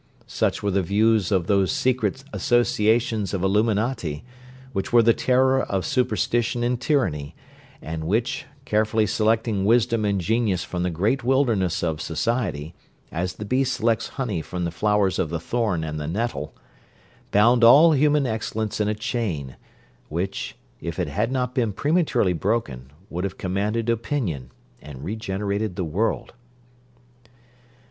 Such were the views of those secret associations of illuminati, which were the terror of superstition and tyranny, and which, carefully selecting wisdom and genius from the great wilderness of society, as the bee selects honey from the flowers of the thorn and the nettle, bound all human excellence in a chain, which, if it had not been prematurely broken, would have commanded opinion, and regenerated the world.'